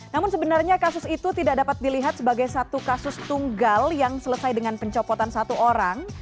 namun sebenarnya kasus itu tidak dapat dilihat sebagai satu kasus tunggal yang selesai dengan pencopotan satu orang